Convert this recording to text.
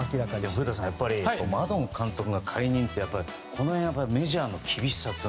古田さんマドン監督の解任ってメジャーの厳しさが。